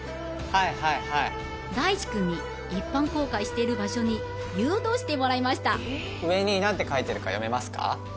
はいはい大智君に一般公開している場所に誘導してもらいました上に何て書いてあるか読めますか？